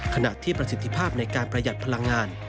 ขณะที่ประสิทธิภาพในการประหยัดพลังงาน